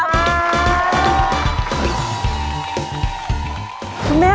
สวัสดีครับ